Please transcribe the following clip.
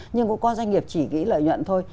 nhưng cũng có doanh nghiệp chỉ nghĩ lợi nhuận thôi